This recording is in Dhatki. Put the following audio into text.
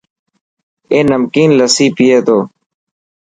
اي نمڪين لسي پئي تو.